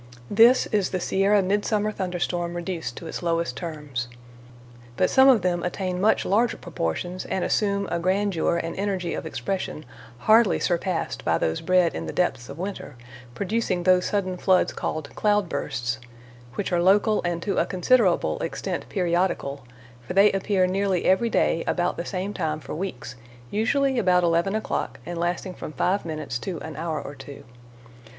This is the Sierra mid summer thunder storm reduced to its lowest terms. But some of them attain much larger proportions, and assume a grandeur and energy of expression hardly surpassed by those bred in the depths of winter, producing those sudden floods called "cloud bursts," which are local, and to a considerable extent periodical, for they appear nearly every day about the same time for weeks, usually about eleven o'clock, and lasting from five minutes to an hour or two.